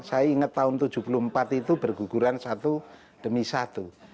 saya ingat tahun seribu sembilan ratus tujuh puluh empat itu berguguran satu demi satu